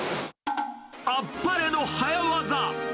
あっぱれの早業。